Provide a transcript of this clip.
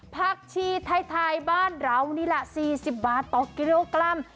ผักชีไทยบ้านเรานี่แหละ๔๐บาทต่อกิโลกรัม